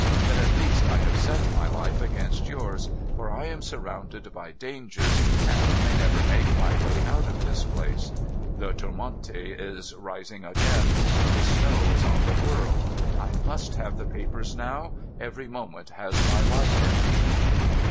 But at least I have set my life against yours, for I am surrounded by dangers, and may never make my way out of this place. The Tourmmte is rising again. The snow is on the whirl. I must have the papers now. Every moment has my life in it.'